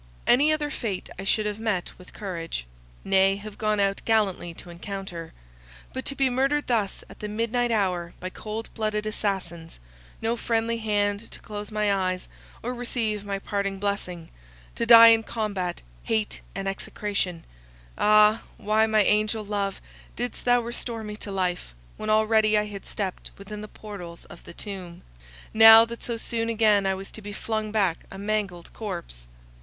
Any other fate I should have met with courage, nay, have gone out gallantly to encounter. But to be murdered thus at the midnight hour by cold blooded assassins, no friendly hand to close my eyes, or receive my parting blessing—to die in combat, hate and execration—ah, why, my angel love, didst thou restore me to life, when already I had stepped within the portals of the tomb, now that so soon again I was to be flung back a mangled corpse!